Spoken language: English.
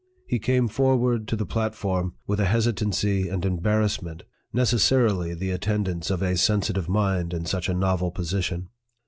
He came forward to the platform with a hesitancy and embar rassment, necessarily the attendants of a sensitive mind in such a novel position.